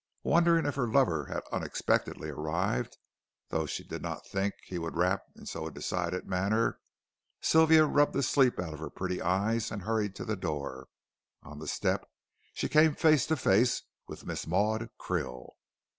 Wondering if her lover had unexpectedly arrived, though she did not think he would rap in so decided a manner, Sylvia rubbed the sleep out of her pretty eyes and hurried to the door. On the step she came face to face with Miss Maud Krill.